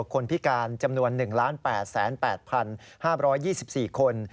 คนพิการจำนวน๑๘๘๕๒๔คน